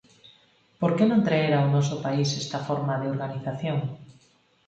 Por que non traer ao noso país esta forma de organización?